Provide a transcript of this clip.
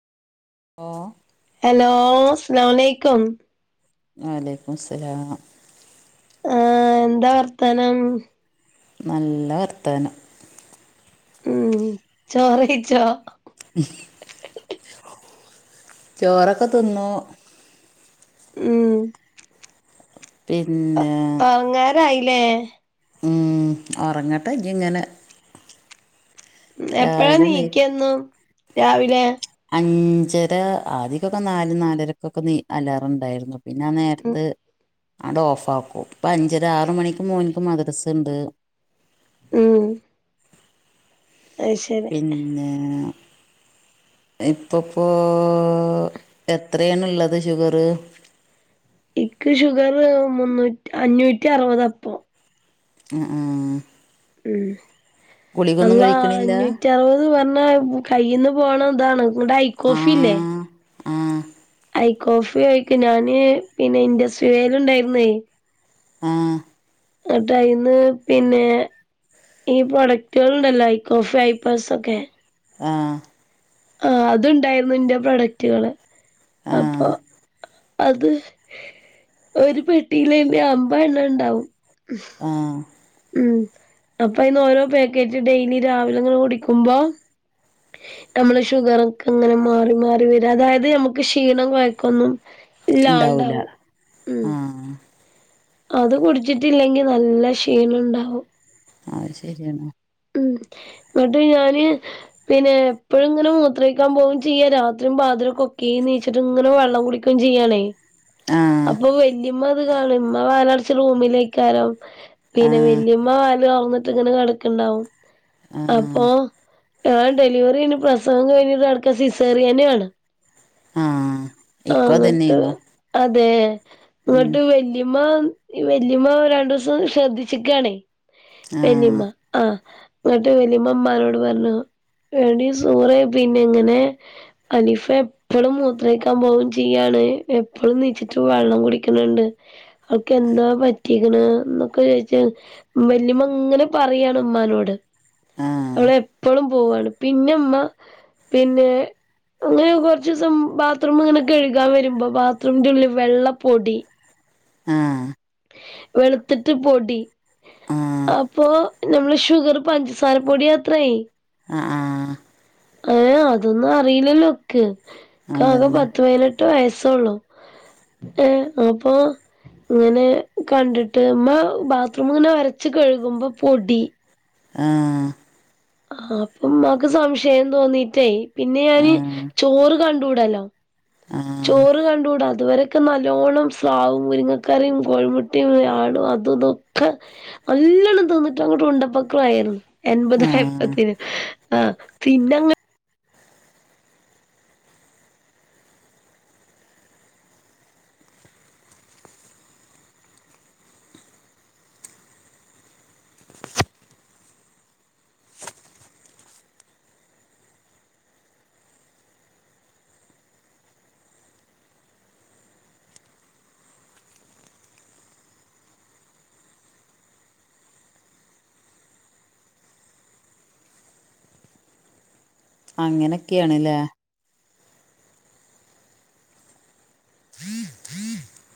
ഓ. Hello, അസ്സലാമുലൈക്കും. വലൈകും ക്കുംമുസ്സലാം. ആ, എന്താ വർത്താനം? നല്ല വർത്താനം. ഉം. ചോറയ് ചോ? ചോറൊക്കെ തിന്നു. ഉം. പിന്നെ. ായില്ലേ [unintelligible] ഉറങ്ങട്ടെ ഇനി ഇങ്ങനെ എപ്പഴാ രാവിലെ നീ നീക്കന്നു രാവിലെ? അഞ്ചര ആദ്യക്കൊക്കെ നാല് നാലരക്കൊക്കെ നീ അലാറം ഉണ്ടായിരുന്നു. പിന്നെ ഉം നേരത്ത് അട് ഓഫ് ആക്കും. ഇപ്പം അഞ്ചര ആറ് മണിക്ക് മുമ്പ് മദ്രസ ഉണ്ട്. ഉം. അത് ശരി പിന്നെ. ഇപ്പപ്പോ എത്രയാണ് ഉള്ളത് ഷുഗറ്? ഇക്ക് ഷുഗർ മുന്നൂ അഞ്ഞൂറ്റി അറുപത് ഇപ്പൊ. ആ, ആ. ഉം. ഗുളികൊന്നും അള്ളാ കഴിക്കണില്ല അഞ്ഞൂറ്റി അറുപത് പറഞ്ഞാ കയ്യിൽന്ന് പോണ ഇതാണ്. എന്നിട്ട് ഐ കോഫി ഇല്ലേ. ആഹ് ഐ കോഫി കയ്ക്ക് ഞാന് പിന്നെ ഇൻഡസ്ട്രിവേല് ഉണ്ടായിരുന്നെ ആഹ് ഇന്നിട്ട് അയിന്ന് പിന്നെ ഈ പ്രോഡക്റ്റുകള് ഉണ്ടല്ലോ ഐ കോഫി ഐപ്ലസ് ഒക്കെ ആഹ് ആഹ് അതുണ്ടായിരുന്നു ഇന്റെ പ്രൊഡക്റ്റുകള് അപ്പൊ ആഹ് അത് ഒരു പെട്ടിയിലെന്നെ അമ്പെതെണ്ണം ഇണ്ടാവും ആഹ് ഉം അപ്പൊ അയിന്ന് ഓരോ പാക്കറ്റ് ഡെയിലി രാവിലെ ഇങ്ങനെ കുടിക്കുമ്പോ നമ്മള് ഷുഗറൊക്കെങ്ങെനെ മാറി മാറി വരും അതായത് നമുക്ക് ക്ഷീണം കൊയക്കൊന്നും ഉണ്ടാവൂല ഇല്ലാണ്ടാവും ഉം ആഹ് അത് കുടിച്ചിട്ടില്ലെങ്കി നല്ല ക്ഷീണണ്ടാവും അത് ശരിയണ് ഉം ന്നിട്ട് ഞാന് പിന്നെ എപ്പഴും ഇങ്ങനെ മൂത്രൊഴിക്കാൻ പോകും ചെയ്യ രാത്രിയും പാതിരകൊക്കീം നീച്ചിട്ട് ഇങ്ങെനെ വെള്ളം കുടി ക്കും ചെയ്യാണേ ആഹ് അപ്പൊ വല്യമ്മ ഇത് കാണും ഇമ്മ വാതിലടച്ച് റൂമിലേക്കാരം പിന്നെ ആഹ് വല്യമ്മ വാതില് തുറന്നിട്ട് ഇങ്ങനെ കിടക്കുണ്ടാവും ആഹ് അപ്പൊ ഞാൻ ഡെലിവറി കഴിഞ്ഞ് പ്രസവം കഴിഞ്ഞിട്ട് കിടക്ക സിസേറിയന് ആണ് ആഹ് ആഹ് ഇക്കും ഇങ്ങ്ട്ട് അതന്നെന്നു അതേ ഉം ഇന്നിട്ട് വെ ല്ലിമ്മ വല്ലിമ്മ രണ്ടൂസം ശ്രദ്ധിച്ചിക്കാണേ ആഹ് വല്ലിമ്മ ആഹ് ന്നിട്ട് വല്ലിമ്മ ഇമ്മാനോട് പറഞ്ഞു എടി സൂറെ പിന്നെ ഇങ്ങനെ അയിനിപ്പൊ എപ്പഴും മൂത്രൊഴിക്ക ക്കാം പോവും ചിയ്യാണ് എപ്പോഴും നീച്ചിട്ട് വെള്ളം കുടിക്കണണ്ട് അവൾക്കെന്താ പറ്റിക്കണ്എന്നൊക്കെ ചോയ്ച്ചാ വല്ലിമ്മങ്ങനെ പറയാണ് ഉമ്മാനോട് ആഹ് അവള് എപ്പളും പോവാണ് പിന്നെമ്മ പിന്നെ അങ്ങനെ കൊറച്ചൂസം ബാത് ത്റൂം ഇങ്ങനെ കഴുകാൻ വരുമ്പൊ ബാത്റൂമിന്റെ ഉള്ളിൽ വെള്ളപ്പൊടി ആഹ് വെളുത്തിട്ട് പൊടി ആഹ് അപ്പൊ ഞമ്മളെ ഷുഗറ് പഞ്ചസാര പൊടിയാത്രേയ് ആഹ് ഏഹ് അതൊന്നും അറിയില്ലല്ലോ ഇക്ക് ഇക്കാകെ അതന്നെ പത്ത് പതിനെട്ട് വയസൊള്ളു ഏ അപ്പൊ ഇങ്ങനെ കണ്ടിട്ട് ഇമ്മ ബാത്റൂം ഇങ്ങനെ ഒരച്ച് കഴുകുമ്പോ പൊടി ആഹ് ആ അപ്പൊമ്മാക്ക് സംശയം തോന്നീട്ടേ പിന്നെ ഞാന് ആഹ് ചോറ് കണ്ടൂടല്ലോ ആഹ് ചോറ് കണ്ടുകൂടാ അതുവരൊക്കെ നല്ലോണം സ്രാവും മുരുങ്ങക്കറീം കോഴിമുട്ടീം ആടും അതും ഇതൊ [inaudible] നല്ലണം തിന്നിട്ട് അങ്ങ്ട്ട് ഉണ്ടപ്പക്ക്രുവായിരുന്നു ആഹ് എൺപതായപ്പത്തിന് ആഹ് പിന്നങ്ങ് അങ്ങനൊക്കേണ് ല്ലേ